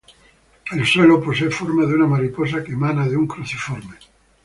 El suelo posee forma de una mariposa que emana de un cruciforme.